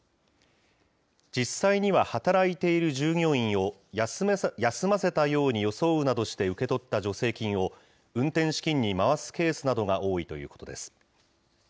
実際には働いている従業員を休ませたように装うなどして受け取った助成金を、運転資金に回すケースなどが多いということです。